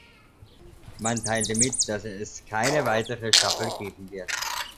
Man teilte mit, dass es keine weitere Staffel geben wird.